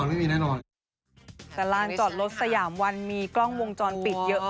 สูงประมาณบอลเองแล้วก็